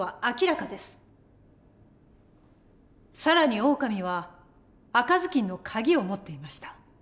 更にオオカミは赤ずきんのカギを持っていました。